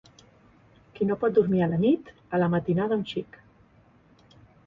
Qui no pot dormir a la nit, a la matinada un xic.